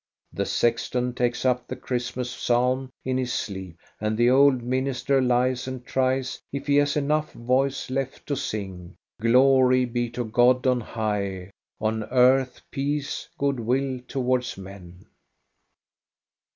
The sexton takes up the Christmas psalm in his sleep, and the old min ister lies and tries if he has enough voice left to sing: "Glory be to God on high, on earth peace, good will towards men